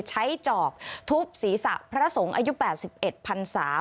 ใช้จอกทุบศรีษะพระระสงฆ์อายุ๘๑พันธุ์ศาสตร์